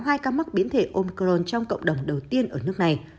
hai ca mắc biến thể ômcoron trong cộng đồng đầu tiên ở nước này